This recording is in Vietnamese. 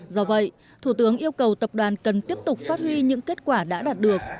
do vậy thủ tướng yêu cầu tập đoàn cần tiếp tục phát huy những kết quả đã đạt được